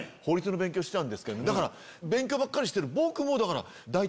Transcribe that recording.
勉強ばっかりしてる。